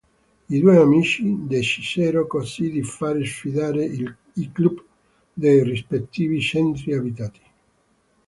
I due amici decisero così di far sfidare i club dei rispettivi centri abitati.